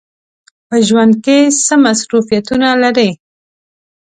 په ژوند کې څه مصروفیتونه لرئ؟